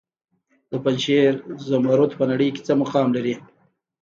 د پنجشیر زمرد په نړۍ کې څه مقام لري؟